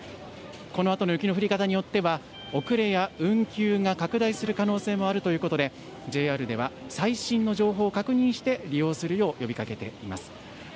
このあとの雪の降り方によっては遅れや運休が拡大する可能性もあるということでＪＲでは最新の情報を確認して利用するよう呼びかけています。